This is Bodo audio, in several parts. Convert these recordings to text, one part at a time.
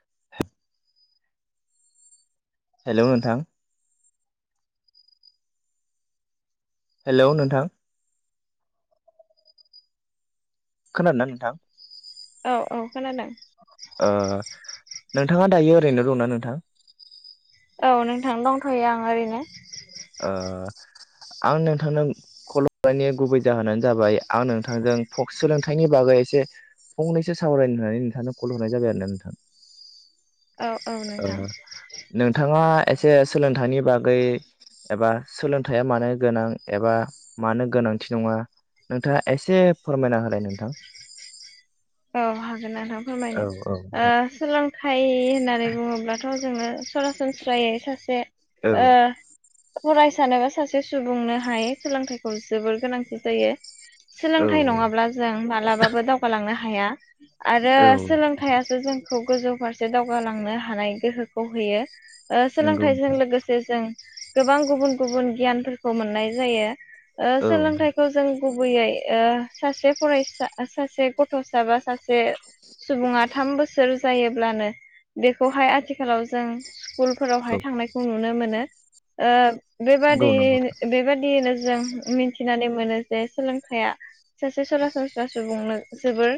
[inaudible] हेलौ नोंथां? हेलौ नोंथां। खोनादोंना नोंथां? औ औ खोनादों। ओ नोंथाङा दायो ओरैनो दंना नोंथां? औ नोंथां दंथ'यो आं ओरैनो। ओ आं नोंथांनो खल हरनायनि गुबै जाहोनानो जाबाय आं नोंथांजों फक सोलोंथाइनि बागै एसे फंनैसो सावरायनो होननानै नोंथांनो कल हरनाय जाबाय आरोना नोंथां। औ औ नोंथां ओ नोंथाङा एसे सोलोंथाइनि बागै एबा सोलोंथाइया मानो गोनां एबा मानो गोनांथि नङा, नोंथाङा एसे फोरमायना होलाय नोंथां। औ हागोन नोंथां फोरमायनो। औ औ नोंथां ओ सोलोंथाइ होननानै बुङोब्लाथ' जोङो सरासनस्रायै सासे औ ओ फरायसानो बा सासे सुबुंनोहाय सोलोंथाइखौ जोबोर गोनांथि जायो। औ सोलोंथाइ नङाब्ला जों मालाबाबो दावगालांनो हाया। आरो औ सोलोंथाइयासो जों खौ गोजौ फारसे दावगालांनो हानाय गोहोखौ होयो। ओ नंगौ सोलोंथाइजों नोंथां लोगोसे जों गोबां गुबुन गुबुन गियानफोरखौ मोननाय जायो। ओ औ सोलोंथाइखौ जों गुबैयै सासे फरायसा सासे ग थ'सा बा सासे सुबुङा थाम बोसोर जायोब्लानो बेखौहाय आथिखालाव जों स्कुलफोरावहाय नंगौ थांनायखौ नुनो मो नो। ओ नंगौ बेबादि नोंथां बेबादिनो जों मिथिनानै मोनो जे सोलोंथाइया सासे सरासनस्रा सुबुंनो जोबोर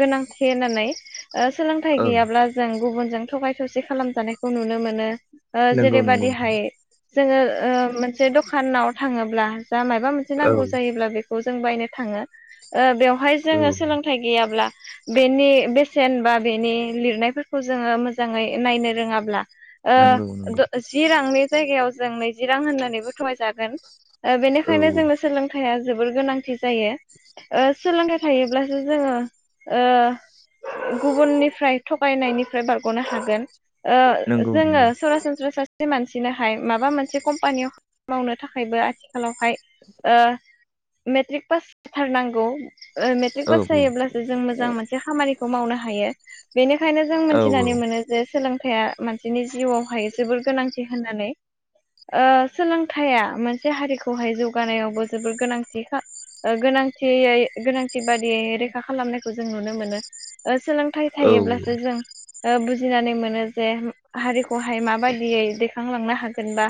गोनांथि होननानै सोलोंथाइ औ गैयाब्ला जों गुबुन थगाय थसि खालामजानायखौ नुनो मोनो नंगौ नंगौ जेरैबायदिहाय जोङो मोनसे दखानाव थाङोब्ला जा माबा मोनसे औ नांगौ जायोब्ला बेखौ खौ जों बायनो थाङो बेवहाय औ जोङो सोलोंथाइ गैयाब्ला बेनि बेसेन बा बेनि लिरनायफोरखौ जोङो मोजाङै नायनो रोङाब्ला नंगौ नंगौ जि रांनि जायगायाव जों नैजि रां होननानैबो थगायजागोन ओ औ बेनिखायनो औ जोङो सोलोंथाइया जोबोर गोनांथि जायो सोलोंथाइ थायोब्लासो जोङो ओ गुबुननिफ्राय थगायनायनिफ्राय बारग'नो हागोन। ओ नंगौ जोङो नंगौ सरासनस्रा सा से मानसिनोहाय माबा मोनसे कम्पानियाव खा मावनो थाखायबो आथि खालावहाय ओ मेट्रिक पास जाथारनांगौ। ओ मेट्रिक औ पास जायोब्लासो जों मोजां मोनसे खामानिखौ मावनो हायो। बेनिखायनो जों औ मिन्थिनानै मोनो जे सोलों थाया मानसिनि जिउआवहाय जोबोर गोनांथि होन्नानै। ओ सोलोंथाइया मोनसे हारिखौहाय जौगानायावबो जोबोर गोनांथिखा ओ गोनांथियै गोनांथि बादियै रैखा खालामनायखौ जों नुनो मोनो ओ सो सोलोंथाइ औ थायोब्लासो जों ओ बुजिनानै मोनो जे होम हारिख खौहाय माबादियै दैखांलांनो हागोन बा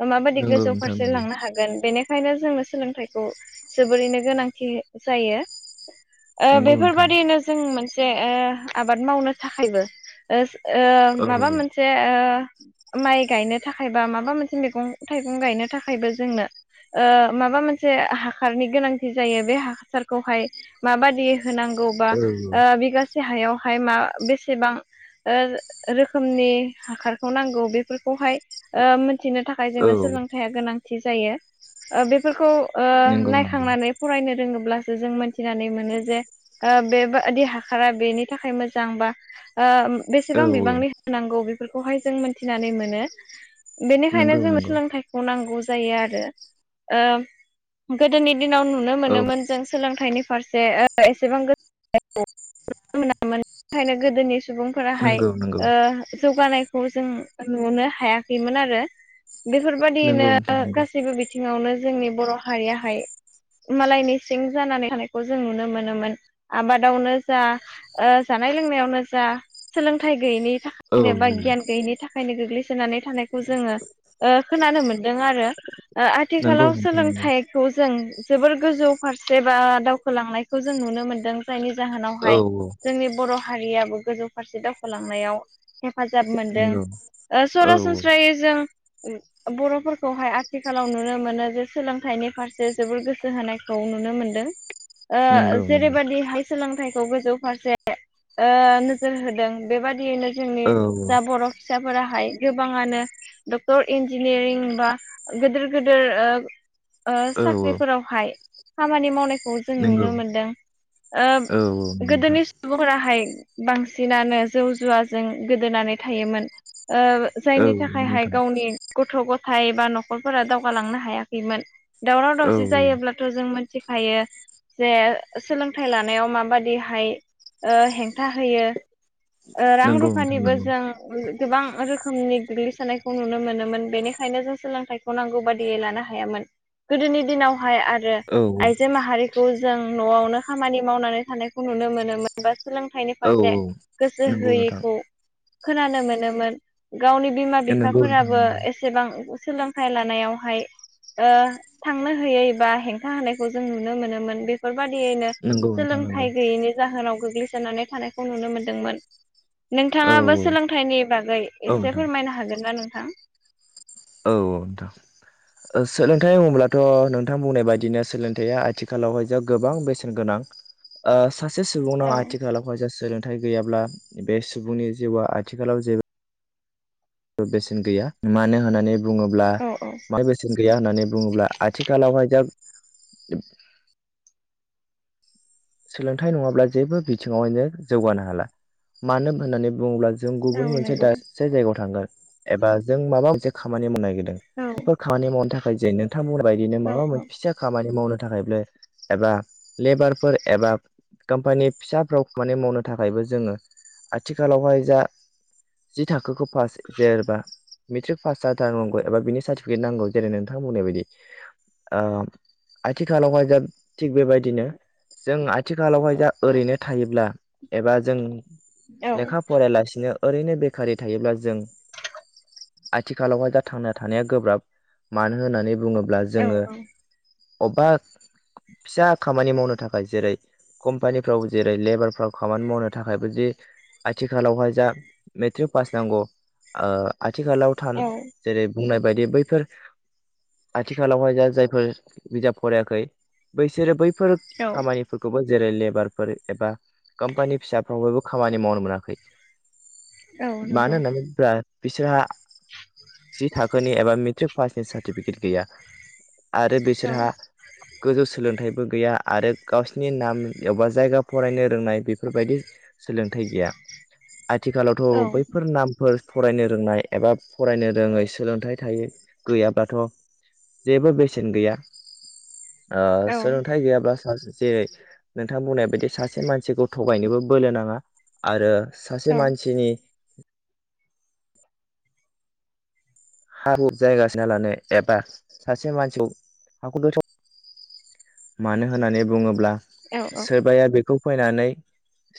ओ माबादि नंगौ गोजौ नोंथां फारसे लांनो हागोन बेनिख खायनो जोंङो सोलोंथाइखौ जोबोरैनो गोनांथि जायो। ओ नंगौ नंगौ नोंथां बेफोरबादिनो जों मोनसे ओ आबाद मावनो थाखायबो ओ सो ओ औ माबा मोनसे ओ माइ गायनो थाखाय बा माबा मोनसे मेगं थाइगं गायनो थाखायबो जोंनो ओ माबा मोनसे हाखारनि गोनांथि जायो बे हाख सारखौहाय माबादि होनांगौ बा औ ओ बिगासे से हायावहाय मा बेसेबां ओ रो-रोखोमनि हाखारखौ नांगौ बेफोरखौहाय ओ मोन थिनो थाखाय जोंनो औ सोलोंथाइया गोनांथि जायो ओ बेफोरखौ ओ नंगौ नंगौ नायखांनानै फरायनो रोङोब्ला सो जों मोनथिनानै मोनो जे ओ बेबादि हाखारा बेनि थाखाय मोजां बा ओ मो औ बेसेबां औ बिबांनि होनांगौ बेफोरखौहाय जों मोनथिनानै मोनो। बेनिखायनो नंगौ जोंनो नंगौ सोलोंथाइखौ नांगौ जायो आरो ओ गोदोनि दिनाव नुनो औ मोनोमोन जों सो सोलोंथाइनि फारसे ओ एसेबां [unintelligible] खायनो गोदोनि सु सुबुंफोराहाय नंगौ नंगौ ओ जौगानायखौ जों नुनो हायाखैमोन आरो। नंगौ बेफोरबादियैनो नोंथां नंगौ गासैबो बिथिङावनो जोंनि बर' हारियाहाय मालायनि सि सिं जानानै थानायखौ जों नुनो मोनोमोन आबादावनो जा ओ जानाय लोंनायावनो जा। आ सोलोंथाइ गोयिनि औ थाखायनो बा औ गियान गोयिनि थाखायनो गोग्लैसो सोनानै थानायखौ जोङो ओ खोनानो मोन्दों आरो ओ नंगौ आथिखालाव नोंथां नंगौ सोलोंथाइखौ जों जोबोर गोजौ फारसे बा दावखोलांनायखौ जों नुनो मोन्दों जायनि ज औ जाहोनावहाय औ जोंनि बर' हारियाबो गोजौ फारसे दावखोलांनायाव। हेफाजाब मोन्दों नंगौ ओ औ सरासनस्रायै जों उम बर'फोरखौहाय आथिखालाव नुनो मोनो जे सोलोंथाइनि फारसे जोबोर गोसो होनायख खौ नुनो मोन्दों नंगौ ओ नंगौ जेरैबादिहाय सो सोलोंथाइखौ गोजौ फारसे ओ नोजोर होदों बेबादियैनो ज औ जोंनि जा बर' फिसाफोरा हाय गोबाङानो डक्टर इन्जिनियारिं बा गोदोर गोदोर ओ ओ औ साख्रिफोरावहाय खामानि मावनायख खौ जों नंगौ नुनो मोन्दों ओब औ औ नोंथां गोदोनि सुबुंफोराहाय बांसिनानो जौ जुवाजों गोदोनानै थायोमोन। ओ औ जायनि थाखायहाय नोंथां गावनि गथ' गथा य बा न'खरफोरा दावगालांनो हायाखैमोन दावराव औ दावसि जायोब्लाथ' जों मोन मिथिखायो जे सोलोंथाइ लानायाव माबादिहाय ओ हेंथा होयो ओ रां नंगौ नोंथां रुफानिबो नंगौ जों गोबां रोखोमनि गोग्लैसोनायखौ नुनो मोनोमोन बेनिखायनो जों सोलोंथाइखौ नांगौ बादियै लानो हायामोन। गोदोनि दिनावहाय आरो औ आइजो माहारि खौ जों न'आवनो खामानि मावनानै थानायखौ नुनो मोनोमोन बा सोलोंथाइनि औ फारसे। गोसो नंगौ नोंथां होयैखौ खोनानो मोनोमोन। गावनि बिमा नंगौ नोंथां बिफाफोराबो नंगौ एसेबां सोलोंथाइ लानायावहाय ओ थांनो होयै बा हेंथा होनायखौ जों नुनो मोनोमोन बेफोर बादियैनो नंगौ नोंथां नंगौ सोलोंथाइ गैयैनि जाहोनाव गोग्लैसोनानै थानायखौ नुनो मोनदोंमोन। औ नोंथाङाबो सोलोंथाइनि बागै औ एसे नोंथां फोरमायनो हागोन ना नोंथां औ ओंथां सोलोंथाइ बुङोब्लाथ' नोंथां बुंनाय बायदिनो सोलोंथाइया आथिखालावहाय जा गोबां बेसेन गोनां ओ सासे औ सुबुंनाव आथिखालावहाय सोलोंथाइ गैयाब्ला बे सुबुंनि जिउआ आथिखालाव जेबो बेसेन गैया मानो होननानै बुङोब्ला औ औ मा बेसेन गैया होननानै बुङोब्ला आथिखालावहाय जा सोलोंथाइ नङाब्ला जेबो बिथिङावहायनो जौगानो हाला मानो होननानै बुङोब्ला जों औ गुबुन मोनसे नंगौ दासे जायगायाव थांगोन एबा जों माबा मोनसे खामानि मावनो नागिर औ बेफोर खामानि मावनो थाखाय जे नोंथांमोन बायदिनो औ माबा औ मोनसे फिसा खामानि मावनो थाखाय एबा लेबारफोर एबा कम्पानि फिसाफ्राव माने मावनो थाखायबो जोङो। आथिखालावहाय जा जि थाखोखौ पास जेरबा मेट्रिक पास जाथारनांगौ एबा बिनि सार्टिफिकेट नांगौ जेरै नोंथाङा बुंनाय बायदि ओ आथिखालावहाय जा थिग बेबायदिनो जों आथिखालावहाय दा ओरैनो थायोब्ला एबा जों औ लेखा फरायालासिनो ओरैनो बेखारारि थायोब्ला जों आथिखालावहाय दा थांना थानाया गोब्राब मानो होननानै बुङोब्ला जोङो अबबा फिसा खामानि मावनो थाखाय जेरै कम्पानिफ्राव जेरै लेबारफ्राव खामानि मावनो थाखायबो जे आथिखालावहाय जा मेट्रिक पास नांगौ ओ आथिखालाव था औ जेरै - बुंनाय बायदि बैफोर आथिखालावहाय जा जायफोर बिजाब फरायाखै बैसोरो बैफोर औ खामानिफोरखौबो जेरै लेबारफोर एबा कम्पानि फिसाफ्राव बयबो खामानि मावनो मोनाखै औ नंगौ मानो होननानै बिसोरहा जि थाखोनि एबा मेट्रिक पासनि सार्टिफिकेट गैया आरो औ बिसोरहा गोजौ सोलोंथाइबो गैया आरो गावसिनि नाम एबबा जायगा फरायनो रोंनाय बेफोरबायदि सोलोंथाइ गैया औ आथिखालावथ' बैफोर नामफोर फरायनो रोंनाय एबा फरायनो रोङै सोलोंथाइ थायो गैयाब्लाथ' जेबो बेसेन गैया ओ औ सोलोंथाइ गैयाब्ला सासे जेरै नोंथां बुंनाय बायदि सासे मानसिखौ थगायनोबो बोलो नाङा आरो औ सासे मानसिनि हा- हु जायगासिना लानो एबा सासे मानसिखौ हाखौ दथाव मानो होननानै बुङोब्ला औ सोरबाया बेखौ फैनानै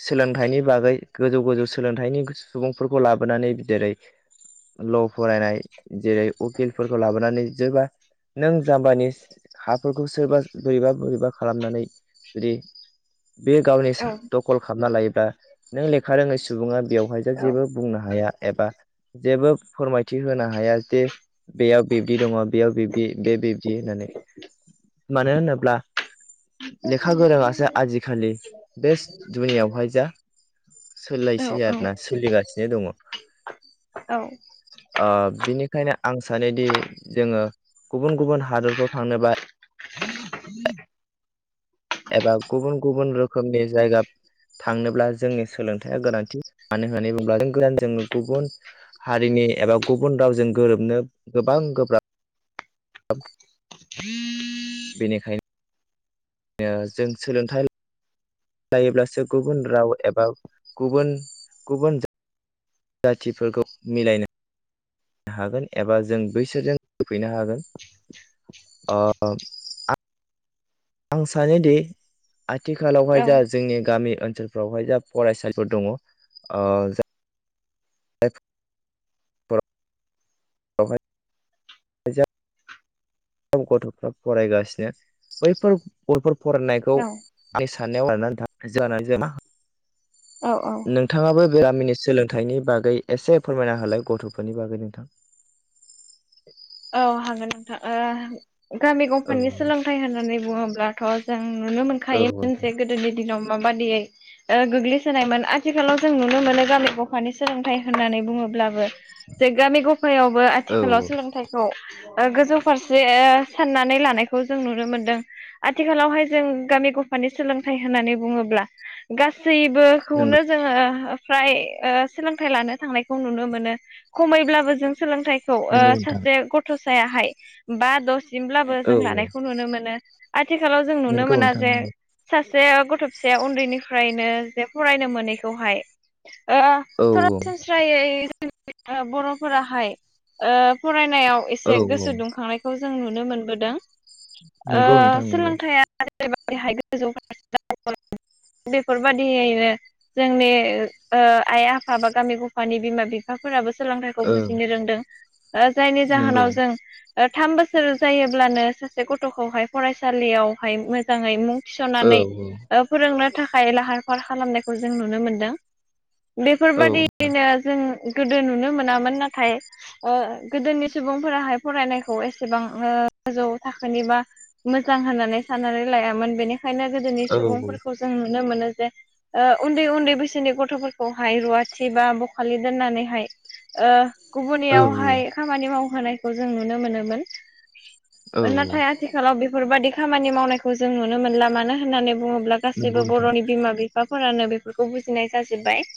सोलोंथाइनि बागै गोजौ- गोजौ सोलोंथाइनि सुबुंफोरखौ लाबोनानै बिदेरै ल' फरायनाय जेरै उकिलफोरखौ लाबोनानै जोबा नों जाम्बानि हाफोरखौ सोर बोरैबा-बोरैबा खालामनानै जुदि बे गावनि औ स दखल खालामना लायोब्ला नों लेखा रोङै सुबुङा बेवहाय ज औ जेबो बुंनो हाया। एबा जेबो फोरमायथि होनो हाया जे बेयाव बिब्दि दङ बेयाव बिब्दि बे बिबदि होननानै मानो होनोब्ला लेखा गोरोंआसो आजिखालि बेस दुनियावहाय जा सोलायसै आरोना सोलिगासिनो दङ। ओ बिनिखायनो आं सानोदि जोङो गुबुन -गुबुन हादोरफ्राव थांनोबा [inaudible] एबा गुबुन गुबुन रोखोमनि जायगा थांनोब्ला जोंनि सोलोंथाइया गोनांथि। मानो होननानै बुङोब्ला जों गोदान गुबुन हारिनि एबा गुबुन रावजों गोरोबनो गोबां गोब्राब बेनिखायनो ओ जों सोलोंथाइ लायोब्लासो गुबुन राव एबा गुबुन गुबुन जाय जाथिफोरखौ मिलायनो नो हागोन एबा जों बैसोरजों होफैनो हागोन। अ आं आं सानोदि आथिखालावहाय जा जोंनि गामि ओनसोलफ्रावहाय जा फरायसालिफोर दङ आरो जा एख [unintelligible] बेवहाय औ गथ'फ्रा फरायगासिनो बैफोर गथ'फो फरायनायखौ औ आंनि साननायाव आरो ना नोंथां जानानै जाया मा औ औ नोंथाङाबो बे गामिनि सोलोंथाइनि बागै एसे फोरमायना होलाय गथ'फोरनि बागै नोंथां। औ हांगोन नोंथां ओ गामि औ गंफानि सोलोंथाइ होननानै बुङोब्लाथ' जों नुनो औ औ मोनखायोमोन जे गोदोनि दिनाव माबा बादियै ओ गोग्लैसोनायमोन आथिखालाव जों नुनो मोनो गामि गफानि सोलोंथाइ होननानै बुङोब्ला अब्लाबो जे गामि गफायावबो ओनसोलाव सोलोंथाइखौ गोजौ फारसे ओ साननानै लानायखौ जों नुनो मोनदों। आथिखालावहाय जों गामि गफानि बे सोलोंथाइ होननानै बुङोब्ला गासैबोखौनो नंगौ जोङो ओ फ्राय ओ सोलोंथाइ लानो थांनायखौ नुनो मोनो खमैब्लाबो जों सोलोंथाइ खौ ओ नंगौ नोंथां सासे गथ'सायाहाय बा द'सिमब्लाबो औ जों औ लानायखौ नुनो मोनो। आथिखालाव जों नुनो नंगौ मोना नोंथां जे सासे से गथ' फिसाया उन्दैनिफ्रायनो जे फरायनो मोनैखौहाय ओ औ सरासनस्रायै जों बर'फोराहाय ओ फराय होनाव औ एसे गोसो दुंखांनायखौ जों नुनो मोनबोदों। ओ नंगौ नोंथां नंगौ सोलोंथाइयाहाय गोजौ फारसे दावगा बेफोरबायदियैनो जोंनि ओ आइ आफा बा गामि गफानि बिमा बिफाफोराबो सोलोंथाइखौ औ बुजिनो रोंदों ओ जायनि नंगौ जाहोनाव जों ओ थाम बोसोर जायोब्लानो सासे गथ'खौहाय फरायसालियावहाय मोजाङै मुं औ थिसननानै ओ फोरोंनो थाखाय लाहार फाहार खालामनायखौ जों नुनो मोनदों। औ बेफोरबादिनो जों गोदो नुनो मोनामोन। नाथाय ओ गोदोनि सुबुंफोराहाय फरायनायखौ एसेबां ओ गोजौ थाखोनि बा मोजां होननानै साननानै लायामोन। बेनिखायनो गोदोनि औ सुबुंफोरखौ जों नुनो मोनो जे उन्दै उन्दै बैसोनि गथ'फोरखौहाय रुवाथि बा बखालि दोननानैहाय ओ औ गुबुनियावहाय खामानि मावहोनायखौ जों नुनो मोनोमोन। नाथाय नंगौ आथिखालाव बेफोरबायदि खामानि मावनायखौ जों नुनो मोनला मानो होननानै बुङोब्ला गासैबो नोंथां बर'नि बिमा बिफाफोरानो बेफोरखौ बुजिनाय जाजोब्बाय।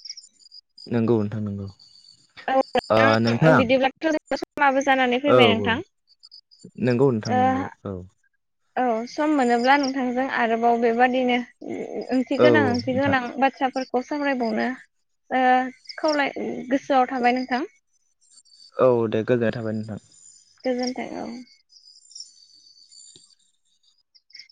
नोंगौ नोंथां नंगौ ओ ‌ नोंथां बिदिब्लाथ' जों समाबो जानानै औ फैबाय औ नोंथां नोंगौ नोंथां ओ नोंगौ औ। औ सम मोनोब्ला नोंथांजों आरोबाव बेबादिनो ओंथि औ गोनां औ ओंथि नोंथां गोनां बाथ्राफोरखौ सावरायबावनो ओ खावलाय गोसो गोसोआव थाबाय नोंथां। औ दे गोजोननाय थाबाय नोंथां। गोजोनथाय औ